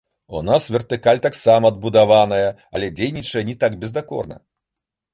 У нас вертыкаль таксама адбудаваная, але дзейнічае не так бездакорна.